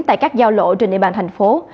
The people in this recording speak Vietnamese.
tại các giao lộ trên địa bàn thành phố